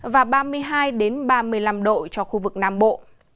và từ hai mươi hai ba mươi năm độ cho khu vực nam bộ